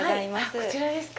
こちらですか。